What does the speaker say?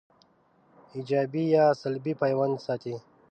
ایجابي یا سلبي پیوند ساتي